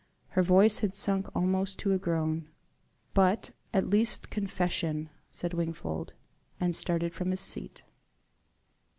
Her voice had sunk almost to a groan. "But at least confession " said Wingfold and started from his seat.